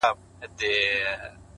• اول بخښنه درڅه غواړمه زه؛